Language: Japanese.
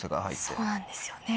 そうなんですよね。